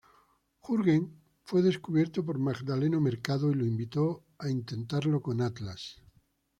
Jürgen fue descubierto por Magdaleno Mercado y lo invitó a intentarlo con Atlas.